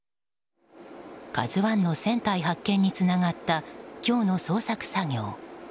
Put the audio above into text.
「ＫＡＺＵ１」の船体発見につながった今日の捜索作業。